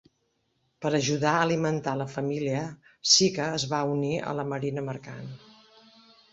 Per ajudar a alimentar la família, Sika es va unir a la marina mercant.